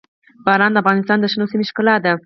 باران د افغانستان د شنو سیمو ښکلا ده.